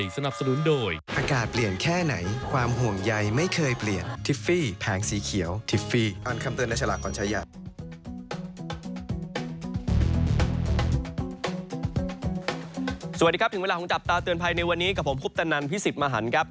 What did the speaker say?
สวัสดีครับถึงเวลาของจับตาเตือนภัยในวันนี้กับผมคุปตนันพิสิทธิ์มหันครับ